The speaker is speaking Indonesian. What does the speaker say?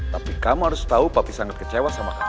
tapi kamu harus tahu papi sangat kecewa sama kamu